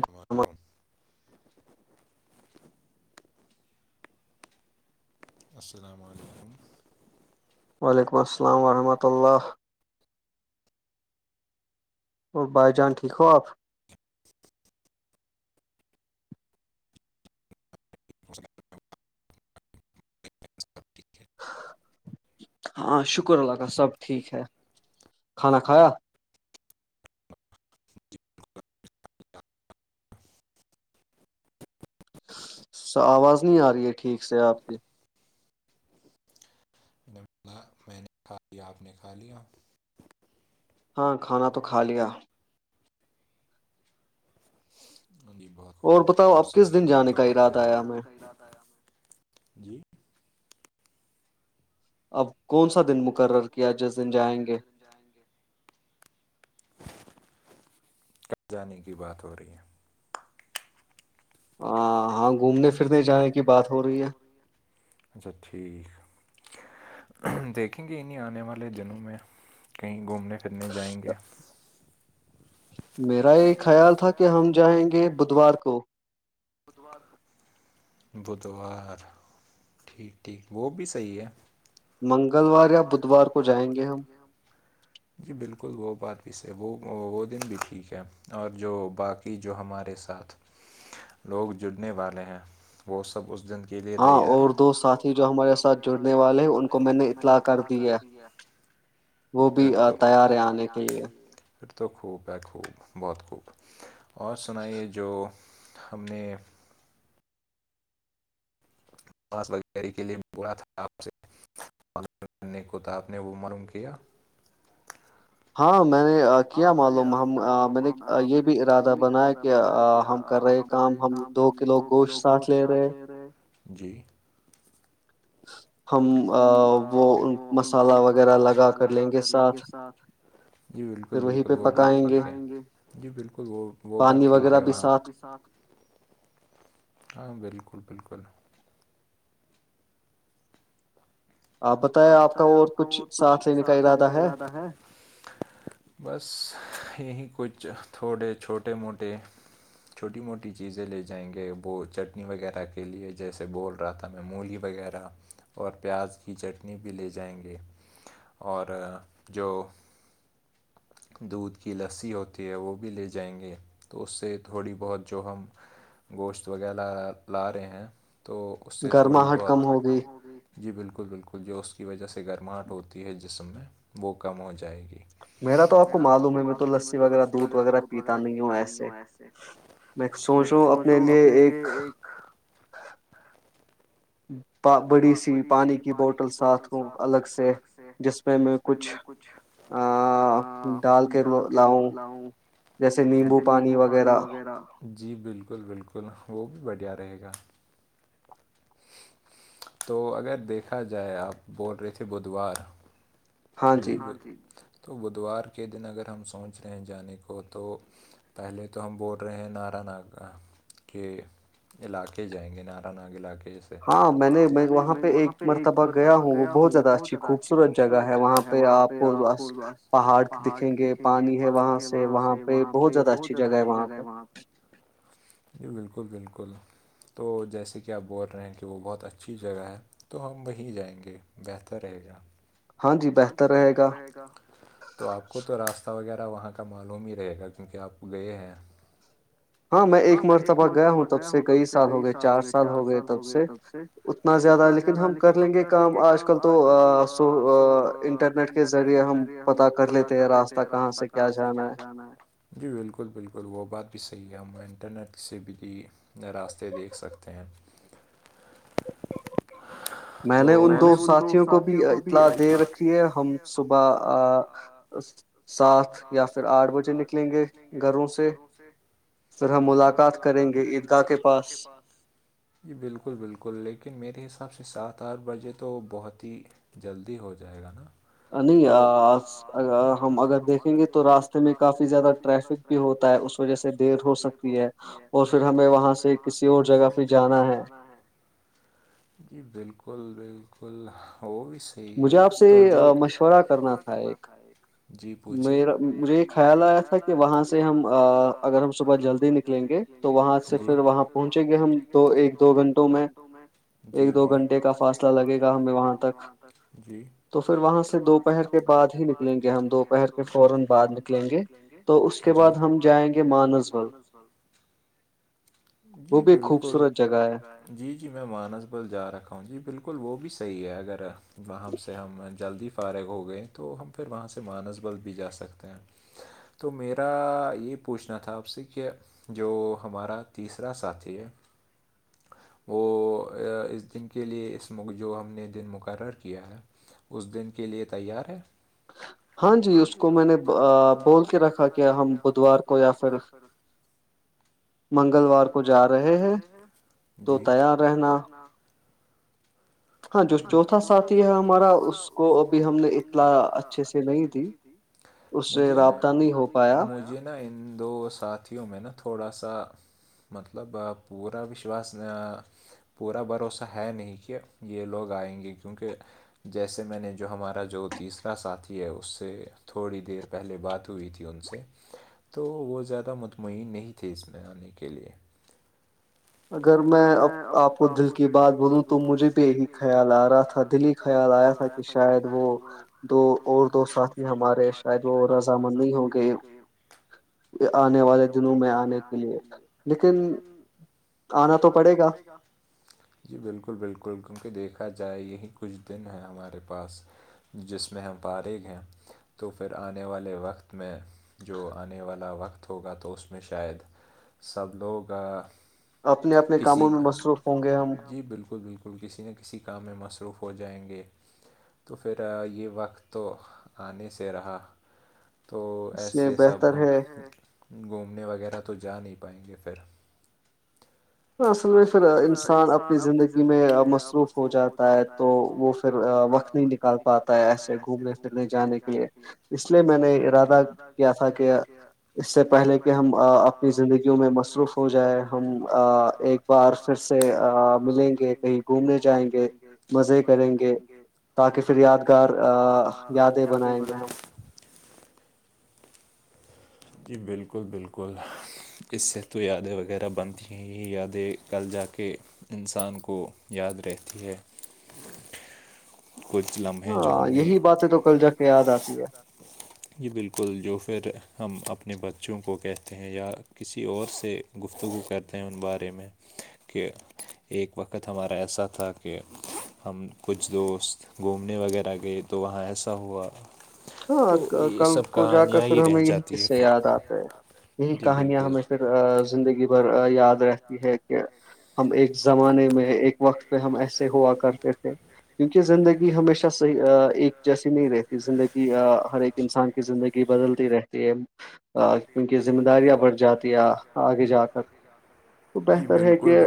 السلام علیکم السلام علیکم- وعلیکم السلام ورحمۃ اللہ- اور بھائی جان ٹھیک ہو آپ? [unintelligible] سب ٹھیک ہے- ہاں شکر اللہ تال سب ٹھیک ہے کھانا کھایا? آواز نہیں آ رہی ہے ٹھیک سے آپ کی- [unintelligible] نے کھا لیا آپ نے کھا لیا- ہاں کھانا تو کھا لیا- انی بہت خوب بر سن- جی اب کون سا دن مقرر کیا جس دن جائیں گے- جیں گے جانے کی بات ہو رہی ہے- ہاں- ہاں گھومنے پھرنے جانے کی بات ہو رہی ہے ہاں گھومنے پھرنے جانے کی بات ہو رہی ہے- اچھا ٹھیک- دیکھیں گے انہیں آنے والے دنوں میں کہیں گھومنے پھرنے جائیں گے- میرا یہ خیال تھا کہ ہم جائیں گے بدوار کو- بتوار کو بدوار ٹھیک- ٹھیک وہ بھی صحیح ہے- منگلوار یا بدوار کو جائیں گے ہم- جی بالکل وہ بات بھی صی وہ وہ دن بھی ٹھیک ہےب- اور جو باقی جو ہمارے ساتھ لوگ جڑنے والے ہیں- ہاں اور دو ساتھی جو ہمارے ساتھ جڑنے والے ہیں ان کو میں نے اطلاع کر دی ہے- [inaudible] کر تیار ہے آنے کے لیے- پھر تو خوب ہے خوب بہت خوب اور سنائیے جو ہم نے- س وغیرہ کے لیے بڑا تھا آپ سے- نے کو تھا آپ نے وہ معلوم کیا- ہاں میں نے- کیا معلوم ہم میں نے یہ بھی ارادہ بنایا کہ ہم کر رہے کام ہم- دو کلو گوشت ساتھ لے رہے- جی- ہم وہ مسالہ وغیرہ لگا کر لیں گے ساتھ- جی بالکل بالکل وہ بات پکائیں گے جی بالکل وہ وہ بات ٹھیک ہے- [inaudible] ہاں بالکل- بالکل- آپ بتائیں آپ کا وہ کچھ ساتسھ لینے کا ارادہ ہے- بس یہی کچھ تھوڑے چھوٹے موٹے- چھوٹی موٹی چیزیں لے جائیں گے وہ چٹنی وغیرہ کے لیے جیسے بول- رہا تھا میں مولی وغیرہ اور پیاز کی چٹ- اپتنی بھی لے جائیں گے اور جو- دودھ کی لسی ہوتی ہے وہ بھی لے جائیں گے- تو اس سے تھوڑی بہت جو ہم گوشت وغیرہ لا رہے ہیں تو اس سے تھوڑی بہت کم ہو گئی جی بالکل بالکل جو اس کی وجہ سے گرماہٹ ہوتی ہے جسم میں وہ کم ہو جائے گی میرا تو آپ کو معلوم ہے میں تو لسی وغیرہ دودھ وغیرہ پیتا نہیں ہوں ایسے میں سوچ ہوں اپنے لیے ایک بڑی سی پانی کی بوٹل ساتھ ہوں الگ سے جس میں میں میں کچھ ڈال کے لاؤں جیسے نیمبو پانی وغیرہ جی بالکل بالکل وہ بھی بڑھیا رہے گا تو اگر دیکھا جائے آپ بول رہے تھے بدھوار جی ب تو بدھوار کے دن اگر ہم سوچ رہے ہیں جانے کو تو پہلے تو ہم بول رہے ہیں نارا ناگا کے علاقے جائیں گے نارا ناگ علاقے ہاں میں نے وہاں پہ ایک مرتبہ گیا ہوں وہ بہت زیادہ اچھی خوبصورت جگہ ہے وہاں پہ آپ پہاڑ دکھیں گے پانی ہے وہاں سے وہاں پہ بہت زدہ اچھی جگہ ہے وہاں پر ج بالکل بالکل تو جیسے کہ آپ بول رہے ہیں کہ وہ بہت اچھی جگہ ہے تو ہم وہی جائیں گے بہتر رہے گا ہاں جی بہتر رہے گا تو آپ کو تو راستہ وغیرہ وہاں کا معلوم ہی رہے گا کیونکہ آپ گئے ہیں ہاں میں ایک مرتبہ گیا ہوں تب سے کئی سال ہو گئے چار سال ہو گئے تب سے اتنا زیادہ لیکن ہم کر لیں گے کام آج کل تو تو انٹرنیٹ کے ذریعے ہم پتاہ کر لیتے ہیں راستہ کہاں سے کیا جانا ہے جی بالکل بالکل وہ بات بھی صحیح ہے ہم انٹرنیٹ سے بھی اپنے راستے دیکھ سکتے ہیں میں نے ان دو ساتھیوں کو بھی اطلاع دے رکھیے ہم صبح ساتھ یا پھر آٹھ بجے نکلیں گے گھروں سے پھر ہم ملاقات کریں گے عیدگاہ کے پاس جی بالکل بالکل لیکن میرے حساب سے سات آٹھ بجے تو بہت ہی جلدی ہو جائے گا نا نہیں ہم اگر دیکھ دیکیں گے تو راستے میں کافی زیادہ ٹریفک بھی ہوتا ہے اس وجہ سے دیر ہو سکتی ہے اور پھر ہمیں وہاں سے کسی اور جگہ پہ جانا ہے جی بالکل بالکل وہ بھی ٹھیک ہے تو جو مشورہ کرنا تھا ایک جی میرا مجھے یہ خیال آیا تھا کہ وہاں سے ہم اگر ہم صبح جلدی نکلیں گے یں گے تو وہاں سے پھر وہاں پہنچیں گے ہم تو ایک دو گھنٹوں میں جی جی ایک دو گھنٹے کا فاصلہ لگے گا ہمیں وہاں تک جی تو پھر وہاں سے دوپہر کے بعد ہی نکلیں گے ہم دو ہم دوپہر کے فورا بعر نکلیں گے تو اس کے بعد ہم جائیں گے مانس بل [unintelligible] جی بالکل س جی جی میں مانسبل جا رکھا ہوں جی بالکل وہ بھی صحیح ہے اگر وہاں سے ہم جلدی فارغ ہو گئیں تو ہم پھر وہاں سے مانسبل بھی جا سکتے ہیں تو میرا یہ پوچھنا تھا آپ سے کہ جو ہمارا تیسرا ساتھی ہے وہ اس دن کے لیے اس جو ہم نے دن مقرر کیا ہے اس دن کے لیے تیار ہے ہاں جی اس کو میں نے بول کے رکھا کہ ہم بدوار کو یا پھر منگلوار کو جا رہے ہیں جی کو تیار رہنا [unintelligible] ہاں جو چوتھا ساتھی ہے ہمارا اس کو ابھی ہم نے اتنا اچھے سے نہیں دی اس سے رابطہ نہیں ہو پایا مجھے نا ان دو ساتھیوں میں نا تھوڑا سا مطلب پورا وشواس پورا بھروسہ ہے نہیں کہ یہ لوگ آئیں گے کیونکہ جیسے میں نے جو ہمارا جو تیسرا ساتھی ہے اس سے تھوڑی دیر پہلے بات ہوئی تھی ان سے تو وہ زیادہ مطمئن نہیں تھے اس میں آنے کے لئے اگر میں اب آپ کو دل کی بات بولوں تو مجھے بھی یہی خیال آ رہا تھا دلی خیال آیا تھا کہ شاید وہ دو اور دو ساتھی ہمارے شاید وہ رضامندی ہو گئے آنے والے دنوں میں آنے کے لیے لیکن آنا تو پڑے گا جی بالکل بالکل کیونکہ دیکھا جائے یہی کچھ دن ہے ہمارے پاس جس میں ہم پارغ ہیں تو پھر آنے والے وقت میں جو آنے والا وقت ہوگا تو ا میں شاید سب لوگوں کا کسی کا جی بالکل بالکل تو کسی نہ کسی کام میں مصروف ہو جائیں گے تو پھر یہ وقت تو آنے سے رہا تو ایسے سب ہم گھومنے وغیرہ تو جا نہیں پائیں گے پھر اصل میں پھر انسان اپنی زندگی میں مصروف ہو جاتا ہے تو وہ پھر وقت نہیں نکال پاتا ہے ایسے گھومنے پھرنے جانے کے لیے اس لیے میں نے ارادہ کیاسا کہ اس سے پہلے کہ ہم اپنی زندگیوں میں مصروف ہو جائے ہم ایک بار پھر سے ملیں گے کہیں گھومنے جائیں گے مزے کریں گے تاکہ پھر یادگار یادیں بنائیں گے ہم جی بالکل بالکل اس سے تو یادیں وغیرہ بنتی ہیں یہ یادیں کل جا کے انسان کو یاد رہتی ہے [unintelligible] ہاں یہی باتیں تو کل جا کے یاد آتی ہے یہ بالکل جو پھر ہم اپنے بچوں کو کہتے ہیں یا کسی اور سے گفتگو کرتے ہیں ان بارے میں کہ ایک وقت ہمارا ایسا تھا کہ ہم کچھ دوست گھومنے وغیرہ گئے تو وہاں ایسا ہوا تو یہ سب کہانیاں ہی رہ جاتی ہے پھر یہی کہانیاں ہمیں پھر زندگی بھر یاد رہتی ہے کہ ہم ایک زمانے میں ایک وقت پہ ہم ایسے ہوا کرتے تھ کیونکہ زندگی ہمیشہ صحیح ایک جیسی نہیں رہتی زندگی کہ ہر ایک انسان کی زندگی بدلتی رہے کیونکہ ذمہ داریاں بڑھ جاتی ہے آگے جا کر تو بہتر ہے کہ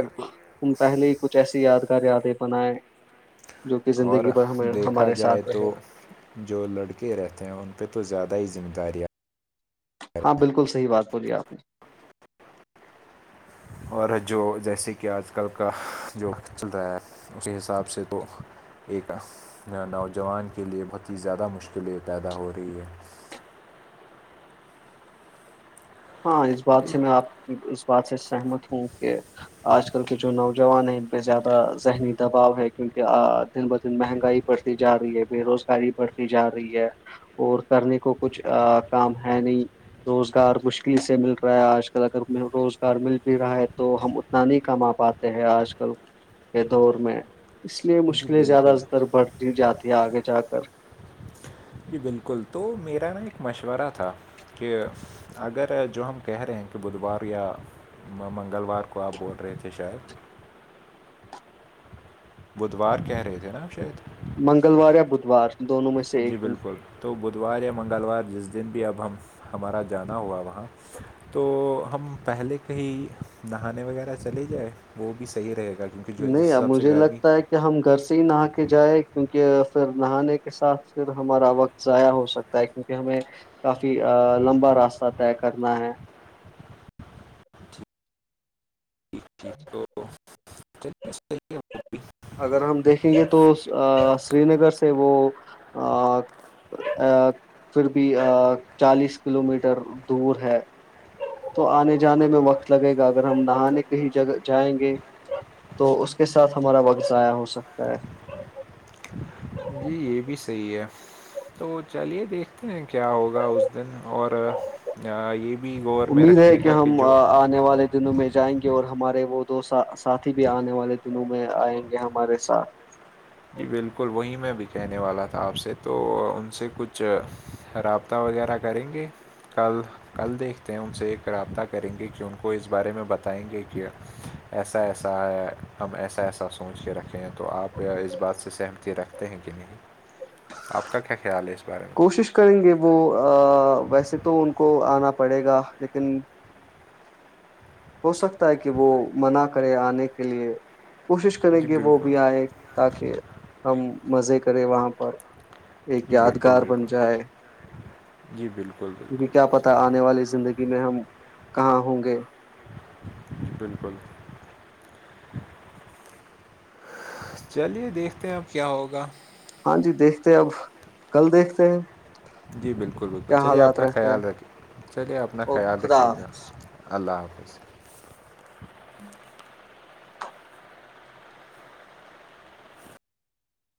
ہم پہلے ہی کچھ ایسی یادگار یادیں بنائیں جو کہ زندگی بھر ہمیں ہمارے ساتھ رہے جو لڑکے رہتے ہیں ان پہ تو زیادہ ہی ذمہ داریاں ہاں بالکل صحیح بات بولیے آپ نے اور جو جیسے کہ آج کل کا جو چل رہا ہے اسی حساب سے تو ایک نوجوان کے لیے بہت ہی زیادہ مشکلیں پیدا ہو رہی ہے ہاں اس بات سے میں آپ اس بات سے سہمت ہوں کہ آج کل کے جو نوجوان ہیں ان پہ زیادہ ذہنی دباؤ ہے کیونکہ آ دن ب دن مہنگائی بڑتی جا رہی ہے بے روزگاری بڑھتی جا رہی ہے اور کرنے کو کچھ کام ہے نہیں روزگار مشل سے مل رہا ہے آج کل اگریں روزگار مل بھی رہا ہے تو ہم اتنا نہیں کما پاتے ہیں آج کل کے دور میں اس لیے مشکلیں زیادہ تر بڑھتی جاتی ہے آگے جا کر جی بالکل تو میرا نا ایک مشورہ تھا کہ اگر جو ہم کہہ رہے ہیں کہ بدھوار یا منگلوار کو آپ بول رہے تھے شاید بدوار کہہ رہے تھے نا شاید منگلوار یا بدوار جی بالکل تو بدھوار یا منگلوار جس دن بھی اب ہم ہمارا جانا ہوا وہاں تو ہم پہلے کہ ہی نہانے وغیرہ چلے جائیں وہ بھی صحیح رہے گا کیونکہ نہیں اب مجھے لگتا ہے کہ کہ ہم گھر سے ہی نہا کے جائے کیونکہ پھر نہانے کے ساتھ پھر ہمارا وقت ضائع ہو سکتا ہے کیونکہ ہمیں کافی لمبا راستہ طے کرنا ہے [unintelligible] اگر ہم دیکھیں گے تو سری نگر سے وہ پھر بھی چالیس کلو میٹر دور ہے تو آنے جانے میں وقت لگے گا اگر ہم نہانے کے ہیہ جائیں گے تو اس کے ساتھ ہمارا وقت ضائع ہو سکتا ہے جی یہ بھی صحیح ہے تو چلیے دیکھتے ہیں کیا ہوگا اس دن اور یہ بھی گوور میں رکھیے گا کہ جو آنے والے دنوں میں جائیں گے اور ہمارے وہ دو ساتھی بھی آنے والے دنوں میں آئیں گے ہمارے ساتھ جی بالکل وہی میں بھی کہنے والا تھا آپ سے تو ان سے کچھ خراب رابتا وغیرہ کریں گے کل کل دیکھتے ہیں ان سے ایک رابطہ کریں گے کہ ان کو اس بارے میں بتائیں گے کیا ایسا ایسا ہے ہم ایسا ایسا سوچ کے رکھے ہیں تو آپ اس بات سے سہمتی رکھتے ہیں کہ نہیں آپ کا کیا خیال ہے اس بارے میں کوشش کریں گے وہ ویسے تو ان کو آنا پڑے گا لیکن ہو سکتا ہے کہ وہ منع کرے آنے کے لیے کوشش کریں گے وہ بھی آئے تاکہ ہم مزے کریں وہاں پر ایک یادگار بن جائے کیکہ کیا پتا آنے والی زندگی میں ہم کہاں ہوں گے بالکل چلیے دیکھتے ہیں اب کیا ہوگا ہاں جی دیکھتے ہیں اب کل دیکھتے ہیں جی بالکل بالکل چلیے اپنا خیال رکھی چلیے اپنا خیال رکھیے گا اللہ حافظ